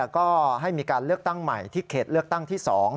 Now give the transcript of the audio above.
ก็ให้มีการเลือกตั้งใหม่ที่เขตเลือกตั้งที่๒